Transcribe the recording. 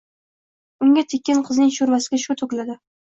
Unga tekkan qizning shoʻrvasiga shoʻr toʻkiladi.